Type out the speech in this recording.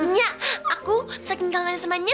nyaa aku saking kangen semuanya